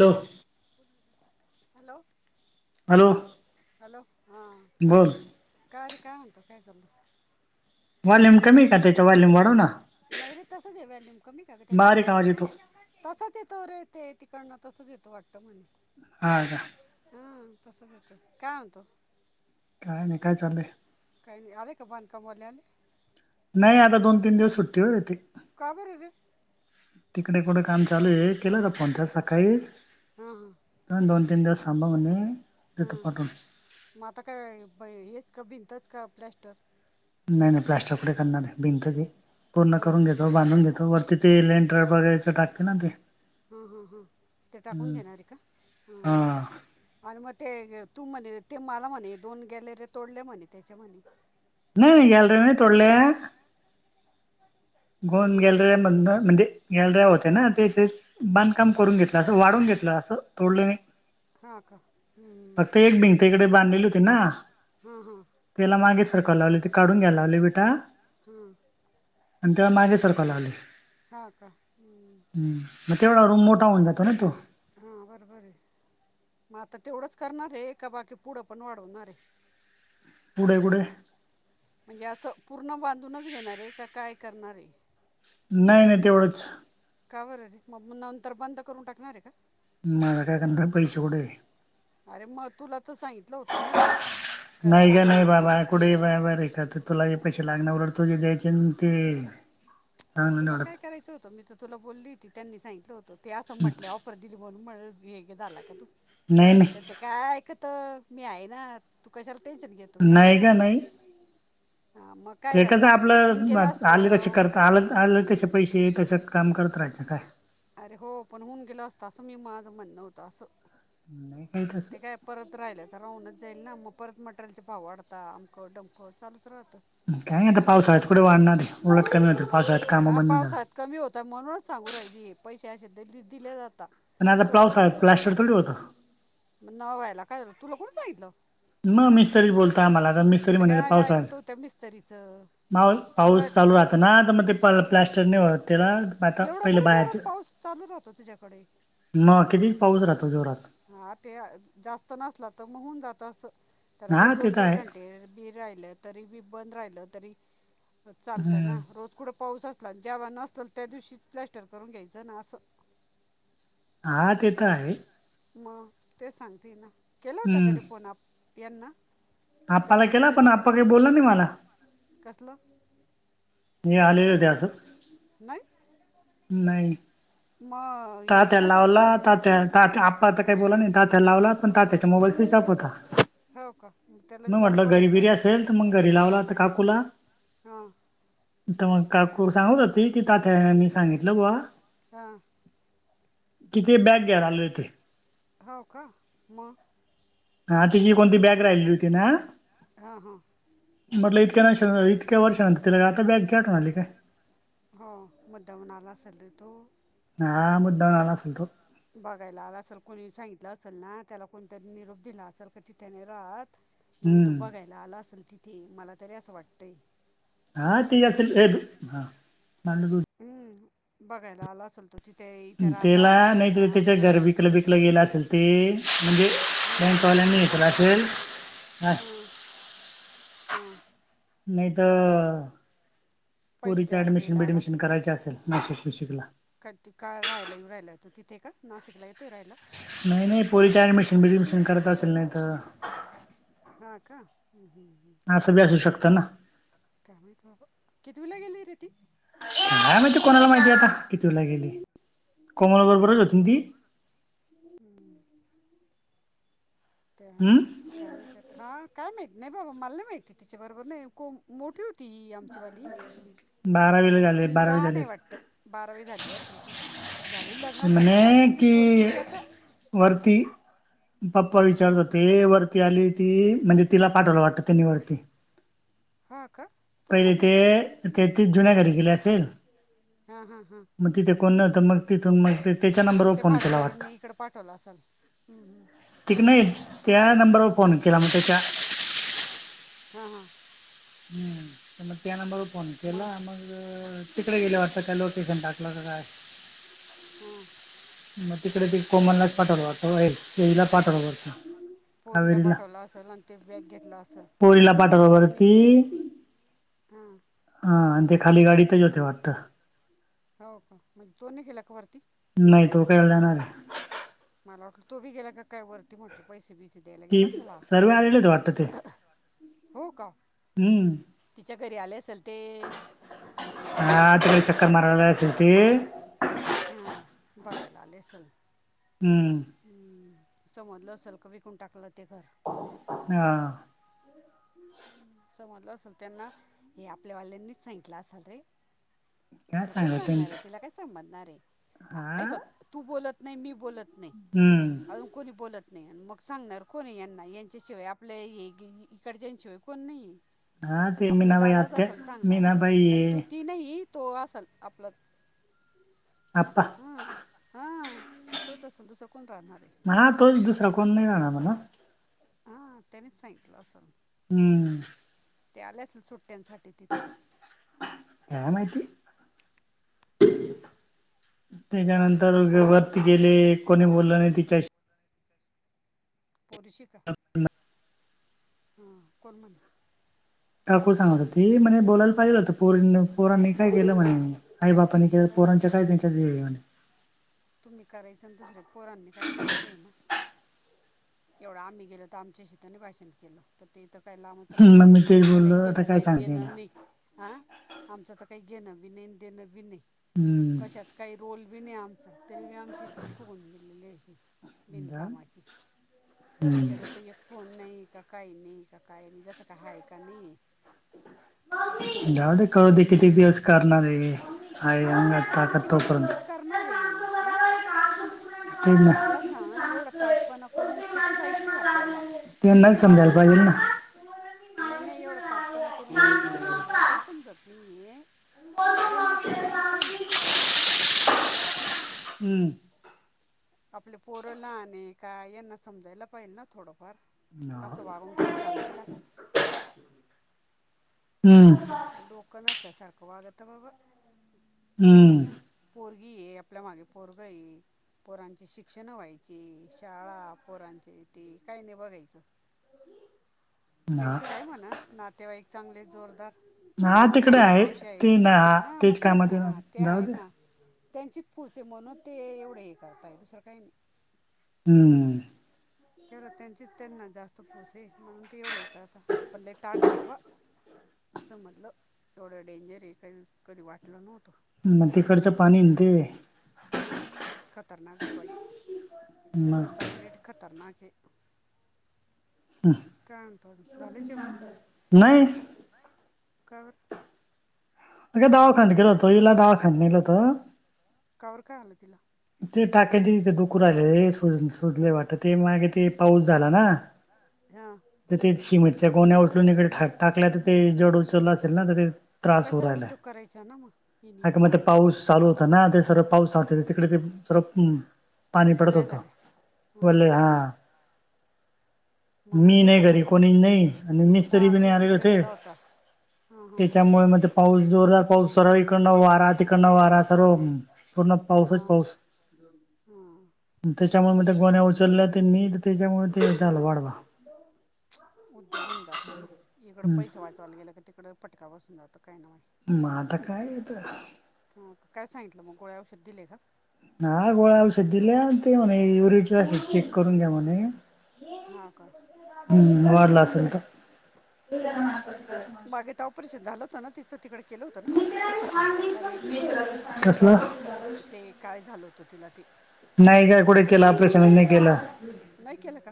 Hello बोला... hello hello hello हां... बोल काय रे, काय म्हणतो? काय चाललं? वॉल्यूम आहे व्हॉल्युम कमी त्याच्या का वॉल्यूम त्याचा? ना व्हॉल्युम वाढव... नाई रे तसाच है वेल्युम. कमी ए का त्याचा? बारीक नई... आवाज येतो तेवढाच ए. तसंच येतो रेे ते... तिकडनं... तसाच येतो वाटतं म्हणे. हा का? हा तसाच येतो. काय म्हणतो? काय नाई... काय चाललंय? काय नई... आले का? बांधकाम वाले आले? नई... आता दोन तीन दिवस सुट्टीवर ए ते. का बरं रे तिकडं कुठं काम चालू ए, केला होता फोन त्यास सकाळीच. हा हा अन दोन तीन दिवस थांबा म्हणे देतो हं... पाठवून मग आता काय, प... हेच का... भिंतच का प्लॅस्टर? नई नई प्लास्टर पुढे करणार ए. भिंतच ए. पूर्ण हो करून का घेतो, बांधून घेतो वर तिथं [unintelligible] टाकतं ना ते. हं हं हं... ते टाकून हम्म. घेणार ए का? हा हं आणि मग ते, तू म्हणे... ते मला म्हणे... दोन गॅलऱ्या तोडल्या म्हणे... त्याच्या म्हणे? नई नई गॅलऱ्या नई तोडल्या. हां गोन हां गॅलऱ्या मधनं... म्हणजे गॅलऱ्या होत्या ना तेथेच. बांधकाम करून घेतलं... असं वाढून घेतलं असं... तोडलं नई. हा का? हम्म. फक्त एक भिंत इकडं बांधलेली होती ना? हा हा त्येला मागे सरकायला लावली ती... काढून घ्यायला लावली वीटा हम्म आणि त्येला मागे सरकायला लावली हा का हम्म.. मग... तेवढा रुम मोठा होऊन जातो ना तो. हा बराबर ए... मग आता तेवढंच करणार ए का बाकी पुढं पण वाढवणार ए? पुढे कुठे? म्हणजे असं, पूर्ण बांधूनच घेणार ए... का काय करणार ए? नाई नाई तेवढंच. का बरं रे... मग नंतर बंद करून टाकणार ए का? माझ्या कडं नंतर पैसे कुठं ए? अरे मग, तुला तर साईन नाई गं नाई ग- बाबा, कुढे हे बार बार हे करता तुला हे पैसे लागणार... उलट तुझे द्यायचे ना ते. चांगलं तुला नाही काय वाटत करायचं होतं, मी तर तुला बोलली होती... त्यांनी सांगितलं होतं, ते असं म्हटल्या [unintelligible] [unintelligible] झाला का तू? नाई नाई. त्याचं काय ऐकतो... मी हाय ना... तू कशाला टेन्शन घेतो... मी हाय नाही ना नई का नाही गं नई हा... मग काय ते झालं कसं तर... तो होऊन गेलं आपलं आले तसे असतं करता आलं त आलं तसे पैसे, तसं काम करत रहायचं काय? अरे हो, पण होऊन गेलं असतं, असं मी, माझं म्हणणं होतं असं नाई [unintelligible] ते काय परत राहिलं तर राहूनच जाईल ना... मग परत मटेरियलचे भाव वाढता... अमकं डमकं चालूच राहतं. काय आता असो पावसाळ्यात कुठे वाढणार आहे उलट कमी होते पावसाळ्यात कामं हा बंद होऊन जाणार पावसात कमी होता म्हणूनच सांगू राहिदी पैसेशबद दि दिले जातात आणि आता थोडे प्लास थोडे करून प्लास्टर थोडी होता मग न व्हायला काय झा तुला कोणीचगितलं म मिस्तरी बोलता आम्हाला तर मिस्तरी त्याचं म्हणे काय पावसाात ऐकतो त्या मिस्तरीचं मा उलट पाऊस चालू राहत ना तर मग ते प्लॅस्टर नाही होत तेला माात एवढा पहिले कुठे बाहेरच जोरात पाऊस चालू राहतो तुझ्याकडे ना किती पाऊस राहतो जोरात हा ते जास्त नसला तर मग होऊन जात अस त्याला काही हा ते दोन तर चार आहे घंटे बी राहिलं तरी बी बंद राहिलं तरी चालतं ना हम्म रोज कड पाऊसच जेव्हा नसल त्या दिवशीच प्लॅस्टर करून घ्यायचं ना असं हा ते तर आहे मग तेच सांगते ना केलं होत हम्म करी फोन आप यांना आप्पाला त्यांना फोन केला पण होता आप्पा काही बोलला नाही मला कसलं मी आले नाही नाही मग तात्या कास काय लावला सांगला तात्या त्या तात्या आप्पा आता काही आप बो बोला नाही तात्या त्या पण लावला तात्याचा मोबाईल स्विच ऑफ होता. त्या हो का म त्याला बी लावून बघायचं फिरी ना असेल तर मग घरी लावला तर काकूला हां तर मग काकूर सांगत होती की तातनी सांगितलं बवा हां किती बॅग घ्यायला आले होते. [inaudible] हो का मग हा तिची कोणती बॅग हा हा मरला इक्या नाष इतक्या वर्षंतर तला आता बॅग घ्याटवणाली काय हो मुद्दाम न आला असल रे तो हा मुद्दा म्हणाला असेल तो बघायला आला असेल कोणी सांगितलं असेल ना त्याला कोणत निरोप दिला असेल का ति त्याने राहत म्हणून तो हम्म बघायला आला असेल तिथे मला तरी असं वाटतंय हा ठीेत हा हम्म बघायला आला असलतो तिथे इथे राहता का त्याला नाही तर राहत त्याच्या का घर विकलं बिकलं गेलं असेल ते म्हणजे बँकवाल्यानी घेतलं असेल हम हां नाही तर पैसे पुरीच द्यायला ऍडमिशन बिला आला बिडमिशन असेल का करायचे असेल नाशिक विशिकला का त का राहायलाऊ रायलाेतो तिथे का नाशिकला येत नाही नाही पोरीच्या ऍडमिशन बिडमशन करत असेल नाही तर हा का हम्म् ं बी असू शकत ना काम बाबा किती वेला गेली रे ती नाही माीतीू कोणाला माहितीय आता कि तूला गेली कोमल बरोबरच होतीन ती हम्म ते आहे म्ह ना हम्म काय माहिती हा काय माहती नाही बाबा मला नाही माहिती तिच्या बरोबर नाही कोम मोठी होती बाराज तिला नाही वाटत बारावी झाली असेल तिची झाली ते लग्नासारखी म्हणे आली ती की पर्गी बी आता वरती पप्पा ह विचारतात ते वरती आली ती म्हणजे तिला पाठवलं वाटतं त्यांनी वरती हा का तुला पहिले कोण ते सांगितलं ते तस जुन्या घरी गेले असेल हा हा हा मग तिथे कोण न होत मग तिथून मग त्याच्या नंबरवर ते फोन केला वाटत हम हा ठीक नाही त्या नंबरवर फोन केला मग त्याच्या हा हा हम्म त्या म त्या नंबर फोन केला मग आग तिकडे गेलं वाटतं काय लोकेशन टाकलं का काय हा मग तिकडे ते कोमललाच पाठवळत तेला पाठवळत पोरीला पाठवला असेल आणि ते बग घेत असल पोरीला पाठवलं वरती हा आणि ते खाली गाडी तर हो का म्हणजे तोने केेला का वरती नाही तू काय जाणार आहे मला वाट तो बी गेला का काय वरती म्हटलं पैसे बिसे दला ती गेला सला सर्व आलेलेच वाटतं ते हो का हम्म तिच्या घरी आले असेल तर हत्र चक्कर मारयलाचती बघायला आलेसल हम्म हं, समजलं असेल क विकून टाकलं ते घर. हां. [inaudible] [inaudible] समजलं असेल त्यांना हे आपल्या वाल्यांनीच सांगितलं असेल रे? काय दुसरं कोण सांगत सांगणार आहे तिला... काय समजणार आहे? हा हे बघ तू बोलत नाही मी बोलत नाही. हं.. अजून कोणी बोलत नाही मग सांगणार कोणी यांना यांच्याशिवाय आपल्या इकडच्यां शिवाय.. कोणी नाही आहे हा ते आपला मीनाबाई दादाच आत्या असेल सांगणारा. मीनाबाई नाही तो ती नाही.. तो असेल आपलं.. आप्पा हं, हं तोच असेल दुसरं कोण राहणार आहे? हा तोच दुसरा कोण नाही राहणार म्हणा. हं, त्यानीच सांगितलं असन. हं ते आले असेल सुट्ट ्यांसाठी तिथे काय माहिती काय म्हणतो त्याच्यानंतर अजून वरती गेले कोणी बोललं नाही तिच्या पशिक हां, कोण म्हणे? काकू सांगत होती, म्हणे बोलायला पाहिजल होतं पोरीनीं- पोरांनी काय केलं म्हणे? काही बापांनी केलं बरं पोरांच्या बरं काय त्यांच्या हे म्हणे.. तुम्ही करायचं आणि दुसर्या पोरांनी काय केलेले आहे ना? एवढं आम्ही गेलो त आमच्याशी तर नाही भाषण केलं. त ते तर काही लांबच राहिले मग मी तेच आमचं तर काही बोललो आता घेणं काय नाही, सांगायचं याला देणं नाही. हां, आमचं तर काही घेणं बी नाही देणं बी नाही हम्म कशात. काही रोल बी नाही आमचा तरी बी आमच्याशी फुगवून गेलेले आहे ते जा बिनकामाचे. हम्म त्याचा त एक फोन नाही का काही नाही का काही नाही जसं काय हाय का नाही हे. जाऊ दे करु दे कितीक दिलेलं दिवस आहे करणार आहे. आहे अंगात अरे पण ते ताकद कितीक दिवस तोपर्यंत. ते करणार आहे हं? तेच ना. सांग एवढा ताटपणा करून कुठं जायचंय आहे आप.. आपल्याला, त्यांनाच समजायला पाहिजेल हं? ना. नाही-नाही एवढं ताठ.. पना करून जायचं कुठं आहे मला ते समजत.. ये कोण विचारणार कोण आहे? एवढा ताटपणा करून. हं आपले पोरं लहान आहे काय यांना समजायला पाहिजे ना थोडंफार. हा. असं वागून कुठं चालतं का? हं डोकं नसल्यासारखं वागतं बाबा. हं पोरगी ये आपल्या मागे पोरगा ये.. पोरांची शिक्षणं व्हायची, शाळा पोरांची ते काही नाही बघायचं.. हा. त्यांचे आहे म्हणा नातेवाईक चांगले जोरदार. हा मामा तिकडे आहे, मावश्या आहे ते ना हा हं मग तेच कामात येणार ना ते जाऊ आहे दे. ना. त्यांचीच फुस आहे म्हणून ते एवढं हे करता आहे दुसरं काही नाही. हं ते ना त्यांचीच त्यांना जास्त फुस आहे म्हणून ते एवढं हे करता, पण लई ताठ आहे बाबा. समजलं एवढं डेंजर हे काध कधी वाटलं नव्हतं मग तिकडच्या पाणी ते हम्म खतरनाक आहे बाई म तरला बाईलेट तरर्नाखे कायन ज झालेचव ना नाही काय ब माग दावा खान ग केला तो इईला दावा खांला त कावर काय आलं तिला ते टाक्याचे तिथे दुकूर आलेज सुजले वाटत ते मागे ते पाऊस झाला ना हा तर ते शिमेटच्या गोन्या उचलून इकडेा टाकल्या तर ते जड उचललं असेल ना तर ते त्रास होऊ कशाला राहिला उद्योग करायचा ना मग हिने ह बी का मग ते पाऊस चालू होता ना ते सर्व पाऊसठ तिकडे ते सर्व पाणी पडत ओल्या होत झाल्या हां हां बल्ले हा म्हणून मी नाही दुखायला घरी लागलं कोणी असेल नाही आणि मिस्तरी हां बी तू नाही आले तिकडे होते गेला होता हां हां हां त्याच्यामुळे मणज पाऊस जोरदार पाऊस सर्व इकडनं वारा तिकडनं वारा सर्व पूर्ण पाऊसच पाऊस हम्म त्याच्यामुळे मग ते गोन्हया उचलल्या ते नीट त्याच्यामुळे ते झालं वाढवा. उद्योग होऊन जातो ना इकडं हम् पैसे वाचावायला गेलं क तिकडं फटका बसून जातो काही ना माही. म आता काय ते.. हं, काय सांगितलं मग गोळ्या औषध दिले का? हां, गोळा औषध दिल्या ते म्हणे युरीक एसिड चेक करून घ्या म्हणे. हां का? हम्म वाढलाच बागेेत ऑपरेशन झालं होत ना तिचं तिकडे केलं होतं ना का नाही कसलं का ते काय झालं होतं तिला ते नाही का कुठे केलं आपल्या श के नाही केलं का?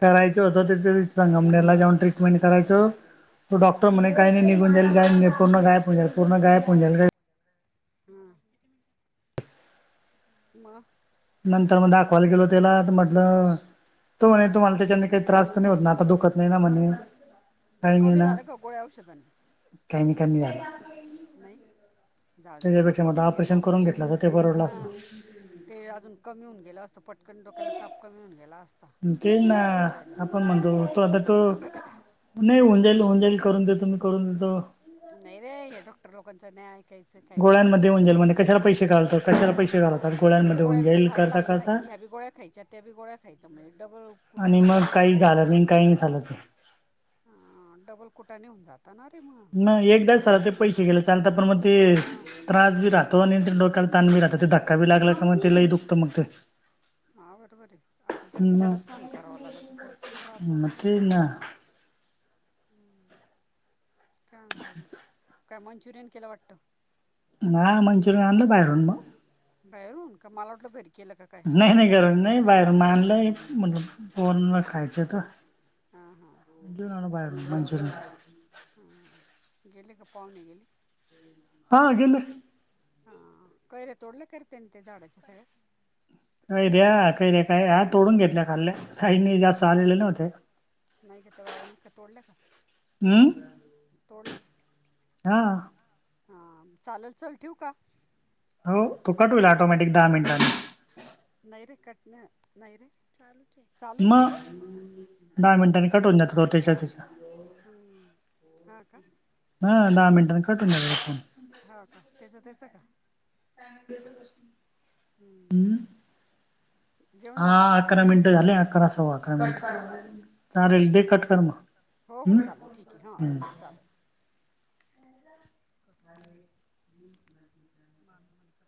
करायचं होतं तिथ संगमनेला जाऊन. टमेंट करायचो हां डॉक्रणे काही नाही निघून जाईल काय नाही पूण गाय प जाईल पूण गय प जाईल. हा. म. नंतर मग दाखवायला गेलो त्याला तर म्हटलं तो म्हणे तुम्हाला त्याच्यानी काही त्रास तर नाही होत ना आता दुखत नाही ना म्हणे. मग काही नाही कमी ना झालं गोळ्या औषधांनी? काही नाही कमी झाला. नाही जाऊ दे ना मग त्याच्यापेक्षा म्हटलं करून घे ना करून ऑपरेशन घेतलं तर ते परवडलं मग. असतं ते अजून कमी होऊन गेलं असतं पटकन डोक्याला ताप कमी होऊन गेला असता टेन्शन नसतं राहियला. पण म्हणतो तो आता तो नाही उंजईल उंजईल करून देतो मी करून देतो. नाही रे हे डॉक्टर लोकांचं नाही ऐकायचा. काही बी ब गोळ्यांमध्ये होऊन भरून द जाईल म्हणजे कशाला पैसे घालतो कशाला पैसे घालवतात गोळ्यांमध्ये होऊन गोळ्या बी तर जाईल खाऊच करता लागल्या ना करता ह्या बी गोळ्या खायच्यात. त्या बी गोळा्या खायचा म्हणजे डबल आणि त्याने मग डबल काही खर्च झालं होतोय. नाही काही झालं ते अ डबल कुटाने होऊन जात. नाही एकदा झाला ते पैसे गेले चालता पण मग ते मग त्रास बी राहतो आणि डोक्या त राहता ते धक्का ब लागला का मग ते लई दुखतं मग ते. [inaudible] हा बरोबर आहे, आता जसं मग त्याला सण करावा लागत असस त्रास मग होतच ते असेल ना तिला [inaudible] [inaudible] हम् काय म्हतो काय मंचुरियन केलं वाटत. ना मचुरीन आणता बाहेरून मग. बाहेरून का मला वाटलं घरी केलं का काय? नाही नाही गरज नाही बाहेरन आनलयन पोराला खायच त हा हा. एन बाहेर मनुष हा गेले का पाहुणे गेले? हा गेले हा कैर्या तोडलं करते ना त्या झाडाच्या सगळ्या काय रे काही रे काय ह तोडून घेतल्या खाल्ल्या काही जास्त आलेले नव्हते. दवानी का तोडलं का? हम तोडल्या? हा हा चालेल चल ठेवू का? हो तो कट होईल ऑटोमॅटिक दहा मिनिटांनी. नाहीरे कट नाहीरे चालू. चालूच मग आहे, दहा मिनिटांनी कट होऊन जातो तो अकरा त्याच्या त्याच्या मिनिट होऊन गेली. हा का? ह दहा मिनटंने कटद फोन हा का त्याच त्याच का? हम्म. हम् जेवण झालं हा. अकरा मिनट झाले अकरा सव अकरा मिनिट. च रेल दे कटकर म हो हो हम् चालेल ठीक आहे हां हम्म. चालेल बरा.